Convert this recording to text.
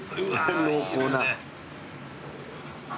濃厚な。